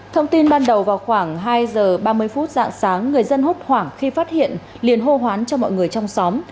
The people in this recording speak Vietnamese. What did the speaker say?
thông tin ban đầu vào khoảng hai giờ ba mươi phút dạng sáng người dân hốt hoảng khi phát hiện liền hô hoán cho mọi người trong xóm